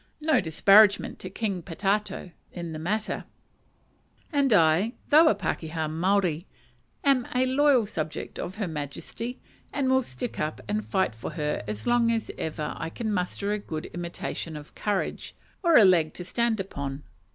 (no disparagement to King Potatau) in the matter; and I, though a pakeha Maori, am a loyal subject of her Majesty, and will stick up and fight for her as long as ever I can muster a good imitation of courage, or a leg to stand upon.